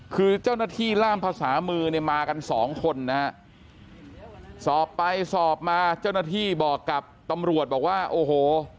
คือเจ้าหน้าที่ล่ามภาษามือเนี่ยมากันสองคนนะฮะสอบไปสอบมาเจ้าหน้าที่บอกกับตำรวจบอกว่าโอ้โห